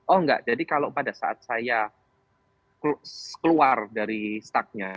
oh enggak jadi kalau pada saat saya keluar dari staknya